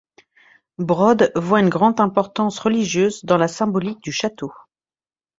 Brod voit une grande importance religieuse dans la symbolique du château.